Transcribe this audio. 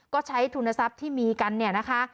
ก็ใช้ทุนทรัพย์ที่มีกันเนี่ยนะคะ